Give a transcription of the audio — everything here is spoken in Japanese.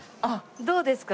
どうですか？